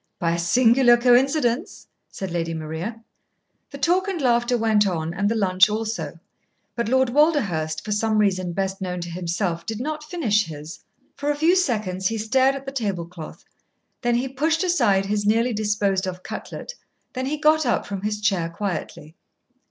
"By a singular coincidence," said Lady Maria. The talk and laughter went on, and the lunch also, but Lord Walderhurst, for some reason best known to himself, did not finish his. For a few seconds he stared at the table cloth, then he pushed aside his nearly disposed of cutlet, then he got up from his chair quietly.